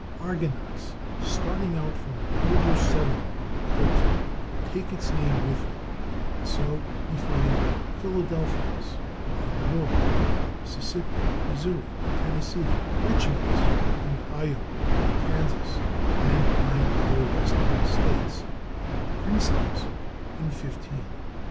Argonauts starting out from an older settlement on the coast would take its name with them, and so we find /Philadelphias/ in Illinois, Mississippi, Missouri and Tennessee, /Richmonds/ in Iowa, Kansas and nine other western states, and /Princetons/ in fifteen.